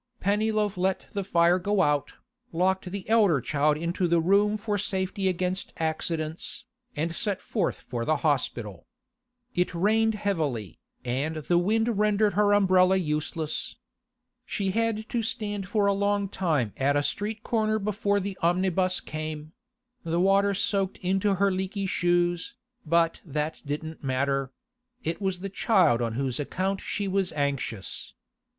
Pennyloaf let the fire go out, locked the elder child into the room for safety against accidents, and set forth for the hospital. It rained heavily, and the wind rendered her umbrella useless. She had to stand for a long time at a street corner before the omnibus came; the water soaked into her leaky shoes, but that didn't matter; it was the child on whose account she was anxious.